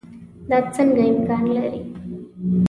دا څنګه امکان لري.